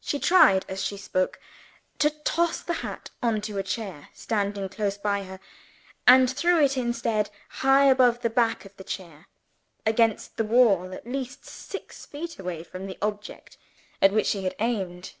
She tried, as she spoke, to toss the hat on to a chair, standing close by her and threw it instead, high above the back of the chair, against the wall, at least six feet away from the object at which she had aimed.